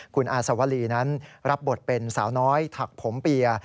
คุณอาสวรีนั้นรับบทเป็นสาวน้อยถักผมเปีย